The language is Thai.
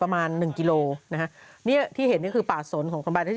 ประมาณ๑กิโลกรัมที่เห็นนี่คือป่าสนของพรรดิ